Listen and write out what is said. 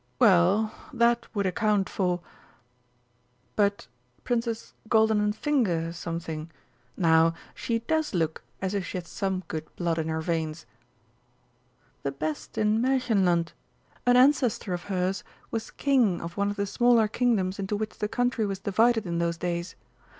Well, that would account for but Princess Goldenenfinger something, now, she does look as if she had some good blood in her veins." "The best in Märchenland. An ancestor of hers was King of one of the smaller Kingdoms into which the country was divided in those days.